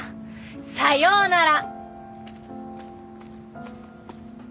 さようなら。